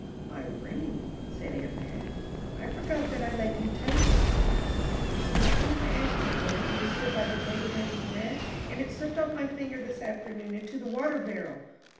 "My ring?" said aunt Madge. "I forgot that I let you take it." "Don't you know I asked you for it when you stood by the table making bread? and it slipped off my finger this afternoon into the water barrel!"